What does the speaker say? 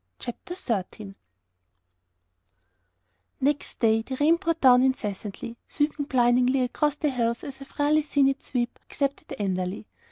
CHAPTER XIII Next day, the rain poured down incessantly, sweeping blindingly across the hills as I have rarely seen it sweep except at Enderley.